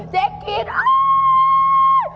เจ๊กรีดอ่าา